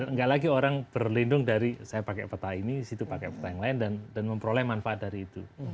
nggak lagi orang berlindung dari saya pakai peta ini situ pakai peta yang lain dan memperoleh manfaat dari itu